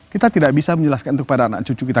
kita tidak bisa menjelaskan itu pada anak cucu kita